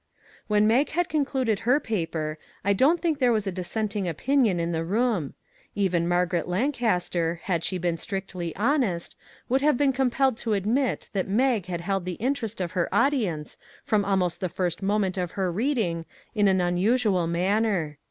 When Mag had concluded her paper I don't think there was a dissenting opinion in the room. Even Margaret Lancaster, had she been strictly honest, would have been com pelled to admit that Mag had held the interest of her audience from almost the first moment of her reading, in an unusual manner.